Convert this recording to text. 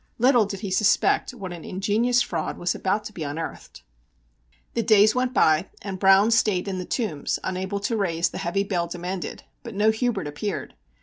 Little did he suspect what an ingenious fraud was about to be unearthed. The days went by and Browne stayed in the Tombs, unable to raise the heavy bail demanded, but no Hubert appeared.